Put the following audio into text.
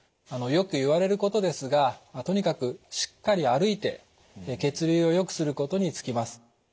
よく言われることですがとにかくしっかり歩いて血流をよくすることに尽きます。